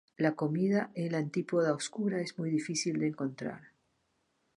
La comida en la Antípoda Oscura es muy difícil de encontrar.